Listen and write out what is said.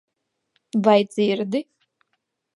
Vai dzirdi?